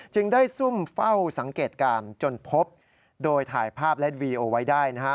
จึงได้ซุ่มเฝ้าสังเกตการณ์จนพบโดยถ่ายภาพและวีโอไว้ได้นะฮะ